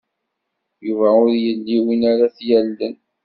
Yuba ur ili win ara t-yallen.